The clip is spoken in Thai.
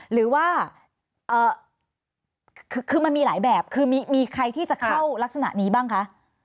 หรือว่าคือมันมีหลายแบบคือมีใครที่จะเข้ารักษณะนี้บ้างคะ